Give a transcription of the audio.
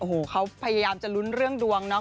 โอ้โหเขาพยายามจะลุ้นเรื่องดวงเนาะ